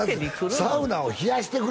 「サウナを冷やしてくれ」